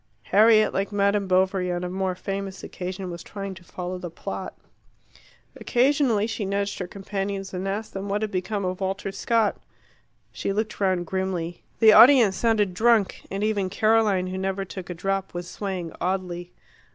Harriet, like M. Bovary on a more famous occasion, was trying to follow the plot. Occasionally she nudged her companions, and asked them what had become of Walter Scott. She looked round grimly. The audience sounded drunk, and even Caroline, who never took a drop, was swaying oddly.